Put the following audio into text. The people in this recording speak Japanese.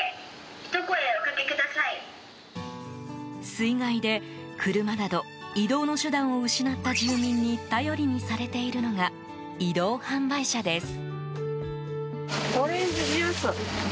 水害で、車など移動の手段を失った住民に頼りにされているのが移動販売車です。